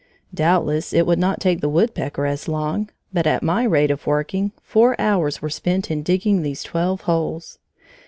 Doubtless it would not take the woodpecker as long; but at my rate of working, four hours were spent in digging these twelve holes.